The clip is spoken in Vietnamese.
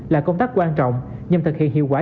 là công tác quan trọng nhằm thực hiện hiệu quả